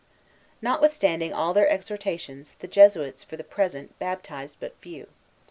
Notwithstanding all their exhortations, the Jesuits, for the present, baptized but few.